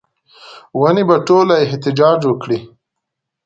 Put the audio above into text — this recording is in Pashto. ونې به ټوله احتجاج وکړي